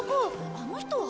あの人は？